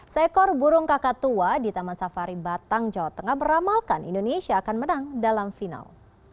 seekor burung kakak tua di taman safari batang jawa tengah beramalkan indonesia akan menang dalam final